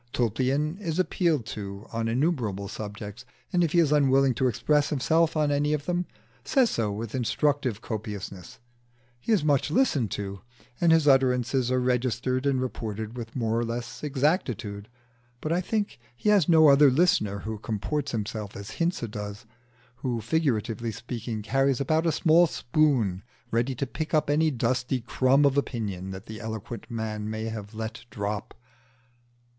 Tulpian is appealed to on innumerable subjects, and if he is unwilling to express himself on any one of them, says so with instructive copiousness: he is much listened to, and his utterances are registered and reported with more or less exactitude. But I think he has no other listener who comports himself as Hinze does who, figuratively speaking, carries about a small spoon ready to pick up any dusty crumb of opinion that the eloquent man may have let drop.